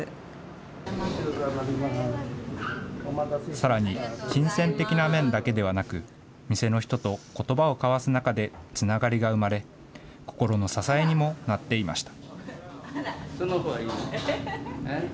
さらに金銭的な面だけではなく、店の人とことばを交わす中でつながりが生まれ、心の支えにもなっていました。